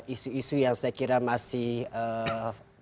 isu isu yang saya kira masih ee